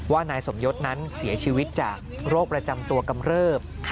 นายสมยศนั้นเสียชีวิตจากโรคประจำตัวกำเริบ